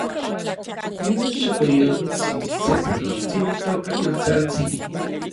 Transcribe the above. inon xokoyotsin se takotsin itoka Ketsaltsin.